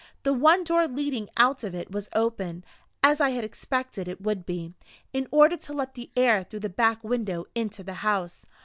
The one door leading out of it was open, as I had expected it would be, in order to let the air through the back window into the house.